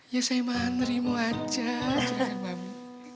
ya saya menerima aja juragan mami